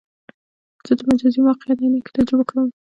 زه د مجازي واقعیت عینکې تجربه کوم.